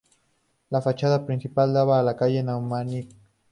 La fachada principal daba a la calle Numancia.